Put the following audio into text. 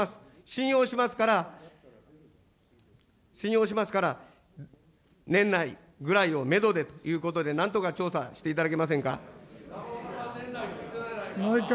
信用しますから、信用しますから、年内ぐらいをメドでということでなんとか調査していただけませんか。